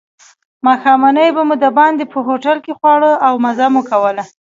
ماښامنۍ به مو دباندې په هوټل کې خوړله او مزه مو کوله.